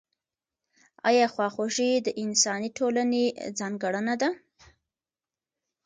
آیا خواخوږي د انساني ټولنې ځانګړنه ده؟